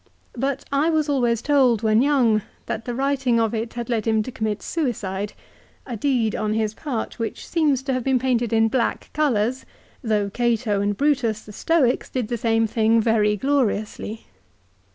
But I was always told when young tLat the writing of it had led him to commit suicide, a deed on his part which seems to have been painted in black colours, though Cato and Brutus, the Stoics, did the same thing very gloriously.